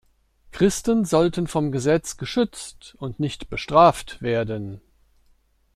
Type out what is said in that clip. Christen sollten vom Gesetz geschützt und nicht bestraft werden.